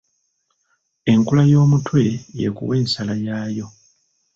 Enkula y'omutwe yekuwa ensala yaayo.